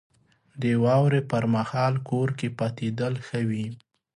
• د واورې پر مهال کور کې پاتېدل ښه وي.